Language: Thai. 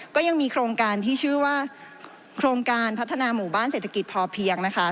ก็ยังมีโครงการที่ชื่อว่าโครงการพัฒนาหมู่บ้านเศรษฐกิจพอเพียงนะคะ